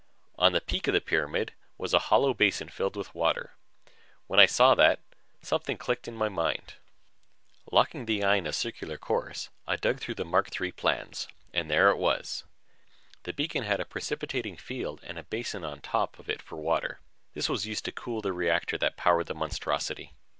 On the peak of the pyramid was a hollow basin filled with water. When I saw that, something clicked in my mind. Locking the eye in a circular course, I dug through the Mark III plans and there it was. The beacon had a precipitating field and a basin on top of it for water; this was used to cool the reactor that powered the monstrosity.